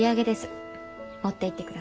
持っていってください。